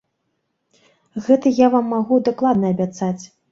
Гэта я вам магу дакладна абяцаць.